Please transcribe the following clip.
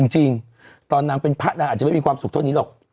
จริงตอนนางเป็นพระนางอาจจะไม่มีความสุขเท่านี้หรอก